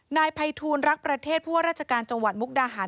นายภัยทูลรักประเทศผู้ว่าราชการจังหวัดมุกดาหาร